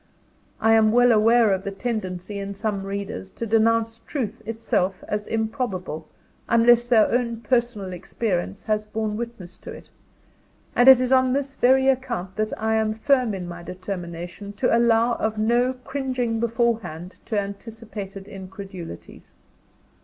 I am well aware of the tendency, in some readers, to denounce truth itself as improbable, unless their own personal experience has borne witness to it; and it is on this very account that I am firm in my determination to allow of no cringing beforehand to anticipated incredulities.